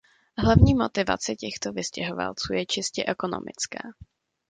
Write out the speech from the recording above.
Hlavní motivace těchto vystěhovalců je čistě ekonomická.